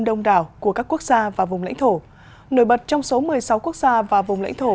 đông đảo của các quốc gia và vùng lãnh thổ nổi bật trong số một mươi sáu quốc gia và vùng lãnh thổ